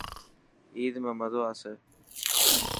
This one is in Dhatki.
عيد ۾ مزو آسي.